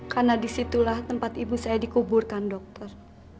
karena di situ lah tempat ibu saya dikuburkan dokter